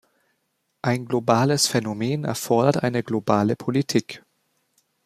Ein globales Phänomen erfordert eine globale Politik.